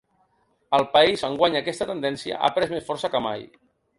Al país, enguany aquesta tendència ha pres més força que mai.